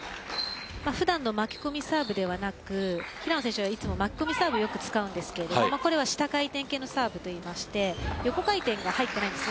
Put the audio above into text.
普段の巻き込みサーブではなく平野選手はよく巻き込みサーブ使うんですけど下回転型のサーブと言いまして横回転が入っていないです。